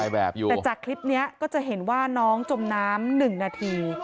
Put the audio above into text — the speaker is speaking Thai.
แต่จากคลิปนี้ก็จะเห็นว่าน้องจมน้ำหนึ่งนาที